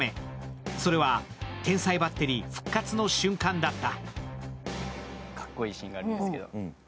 それは天才バッテリー復活の瞬間だった。